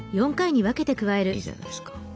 いいじゃないですか。